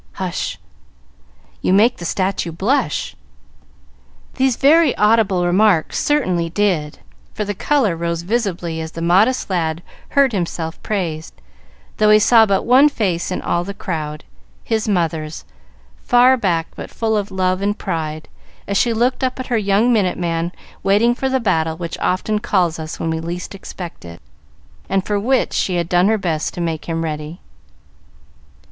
"Hush! You make the statue blush!" These very audible remarks certainly did, for the color rose visibly as the modest lad heard himself praised, though he saw but one face in all the crowd, his mother's, far back, but full of love and pride, as she looked up at her young minute man waiting for the battle which often calls us when we least expect it, and for which she had done her best to make him ready.